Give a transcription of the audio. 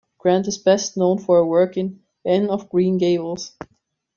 Grant is best known for her work in "Anne of Green Gables".